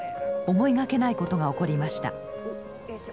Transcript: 思いがけないことが起こりました。